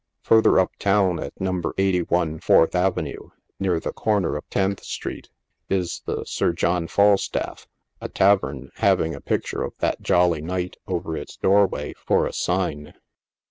Further up town, at No. 81 Fourth avenue, near the corner of Tenth street, is the Sir John Falstaff, a tavern having a picture of that jolly Knight over its doorway for a sign.